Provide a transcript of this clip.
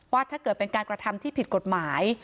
ถ้าเกิดเป็นการกระทำที่ผิดกฎหมาย